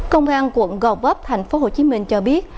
công an quận gò vấp tp hcm cho biết